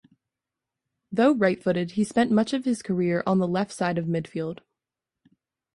Though right-footed, he spent much of his career on the left side of midfield.